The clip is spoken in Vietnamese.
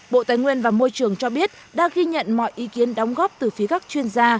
bộ tài nguyên và môi trường cho biết đã ghi nhận mọi ý kiến đóng góp từ phía các chuyên gia